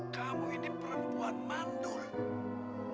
kamu ini perempuan mandul